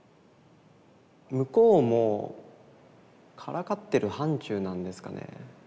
向こうもからかってる範ちゅうなんですかね。